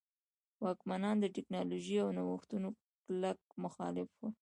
واکمنان د ټکنالوژۍ او نوښتونو کلک مخالف وو.